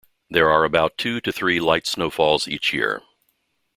There are about two to three light snowfalls each year.